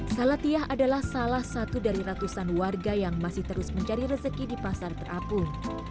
salatiyah adalah salah satu dari ratusan warga yang masih terus mencari rezeki di pasar terapung